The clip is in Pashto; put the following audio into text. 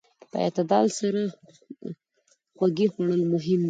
په اعتدال سره خوږې خوړل مهم دي.